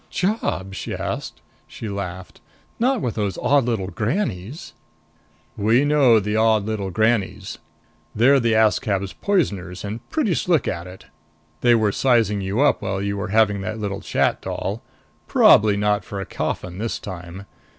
"Job?" she asked. She laughed. "Not with those odd little grannies?" "We know the odd little grannies. They're the Askab's poisoners and pretty slick at it. They were sizing you up while you were having that little chat, doll. Probably not for a coffin this time.